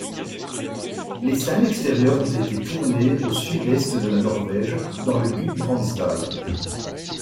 Les scènes extérieures ont été tournées au sud-est de la Norvège, dans le Gudbrandsdal.